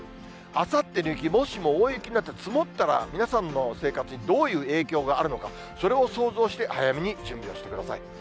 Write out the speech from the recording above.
あさっての雪、もしも大雪になって積もったら、皆さんの生活にどういう影響があるのか、それを想像して、早めに準備をしてください。